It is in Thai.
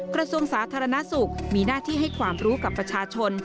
กระทรวงสาธารณสุขมีหน้าที่ให้ความรู้กับประชาชน